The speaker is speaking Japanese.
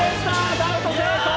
ダウト成功。